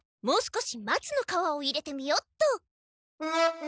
もう少しまつの皮を入れてみよっと。